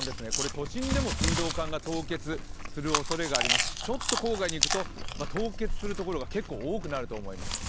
都心でも水道管が凍結するおそれがありますし、ちょっと郊外に行くと凍結するところが結構多くなると思います。